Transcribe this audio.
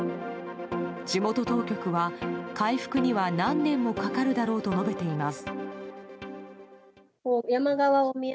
地元当局は回復には何年もかかるだろうと述べています。